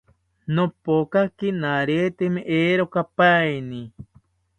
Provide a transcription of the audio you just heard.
Nopokaki naretemi erokapaeni